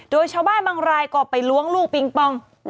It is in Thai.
โดยชาวบ้านบางรายก็ไปล้วงลูกปิงปอง